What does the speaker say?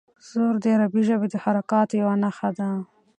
زور د عربي ژبې د حرکاتو یوه نښه ده.